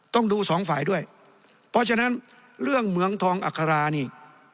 ต้องดูสองฝ่ายด้วยเพราะฉะนั้นเรื่องเหมืองทองอัครานี่